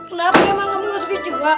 kenapa emang kamu gak suka juga